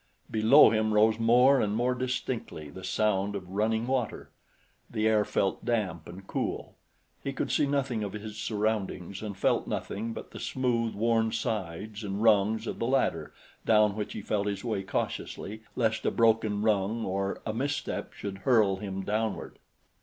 Below him rose more and more distinctly the sound of running water. The air felt damp and cool. He could see nothing of his surroundings and felt nothing but the smooth, worn sides and rungs of the ladder down which he felt his way cautiously lest a broken rung or a misstep should hurl him downward.